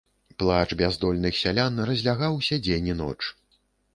Плач бяздольных сялян разлягаўся дзень і ноч.